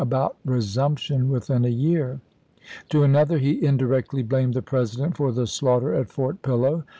Tjfraith, about resumption within a year. To another, he in ibii.p. 587! directly blamed the President for the slaughter at Fort Pillow.